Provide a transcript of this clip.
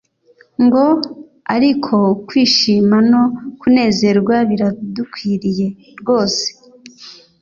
ngo : "Ariko kwishima no kunezerwa biradukwiriye rwose,